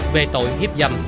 về tội hiếp dâm